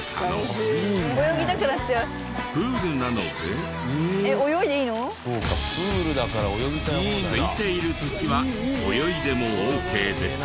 すいている時は泳いでもオーケーですよ。